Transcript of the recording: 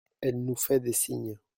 Elle nous fait des signes !…